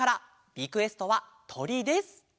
リクエストは「とり」です。